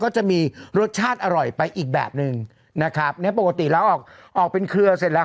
ก็จะมีรสชาติอร่อยไปอีกแบบหนึ่งนะครับเนี้ยปกติแล้วออกออกเป็นเครือเสร็จแล้ว